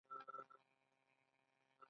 دغه علم تر سخت برید لاندې راغلی و.